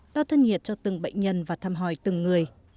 đo thân nhiệt cho từng bệnh nhân và thăm hỏi từng người